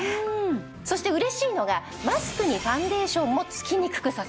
そして嬉しいのがマスクにファンデーションもつきにくくさせてくれます。